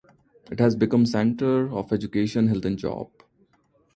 It has become centre of education, health and job.